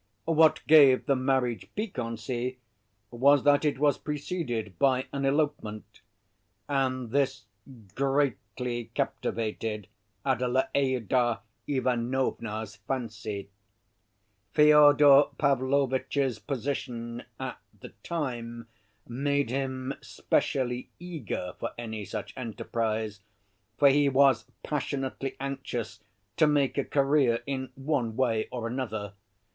What gave the marriage piquancy was that it was preceded by an elopement, and this greatly captivated Adelaïda Ivanovna's fancy. Fyodor Pavlovitch's position at the time made him specially eager for any such enterprise, for he was passionately anxious to make a career in one way or another.